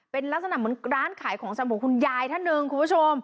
เป็นลักษณะเหมือนร้านขายของชำของคุณยายท่านหนึ่งคุณผู้ชม